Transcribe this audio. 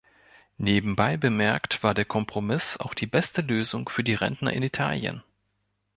Nebenbei bemerkt war der Kompromiss auch die beste Lösung für die Rentner in Italien.